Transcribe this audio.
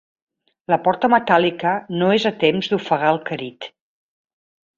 La porta metàl·lica no és a temps d'ofegar el crit.